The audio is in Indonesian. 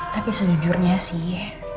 tapi sejujurnya sih